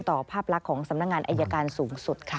เป็นต่อภาพลักษณ์ของสำนักงานไอยการสูงสุดค่ะ